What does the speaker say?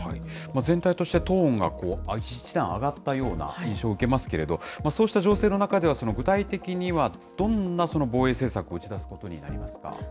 全体として、トーンが一段上がったような印象を受けますけれど、そうした情勢の中では、具体的にはどんなその防衛政策を打ち出すことになりますか？